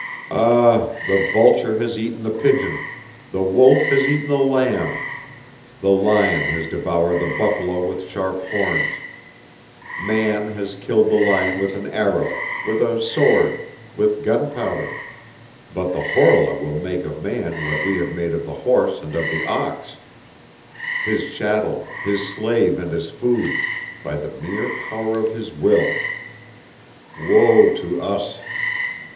Ah! the vulture has eaten the pigeon, the wolf has eaten the lamb; the lion has devoured the buffalo with sharp horns; man has killed the lion with an arrow, with a sword, with gunpowder; but the Horla will make of man what we have made of the horse and of the ox: his chattel, his slave and his food, by the mere power of his will. Woe to us!